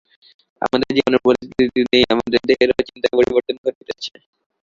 আমার জীবনের প্রতিটি দিনেই আমার দেহের ও চিন্তার পরিবর্তন ঘটিতেছে।